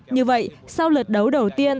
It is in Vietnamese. như vậy sau lượt đấu đầu tiên